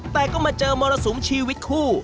แต่ก็มาเจอมรสุมชีวิตคู่